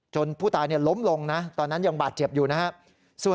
ผู้ตายล้มลงนะตอนนั้นยังบาดเจ็บอยู่นะครับ